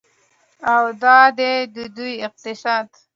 او دا دی د دوی اقتصاد.